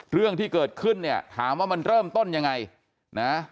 เรื่องที่เกิดขึ้นเนี่ยถามว่ามันเริ่มต้นยังไงนะ